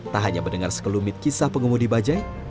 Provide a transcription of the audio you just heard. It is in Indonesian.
tak hanya mendengar sekelumit kisah pengemudi bajai